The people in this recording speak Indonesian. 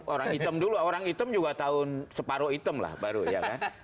orang hitam dulu orang hitam juga tahun separuh hitam lah baru ya kan